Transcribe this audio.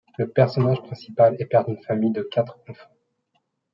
Le personnage principal est père d'une famille de quatre enfants.